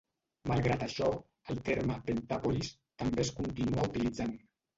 Malgrat això, el terme "Pentapolis" també es continua utilitzant.